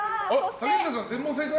竹下さん全問正解？